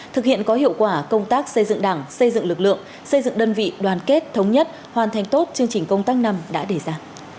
thực hiện có hiệu quả công tác xây dựng đảng xây dựng lực lượng xây dựng đơn vị đoàn kết thống nhất hoàn thành tốt chương trình công tác năm đã đề ra